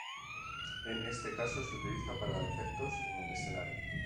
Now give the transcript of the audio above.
En este caso se utiliza para efectos en el escenario.